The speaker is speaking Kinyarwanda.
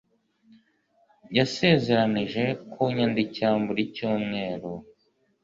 Yasezeranije kunyandikira buri cyumweru.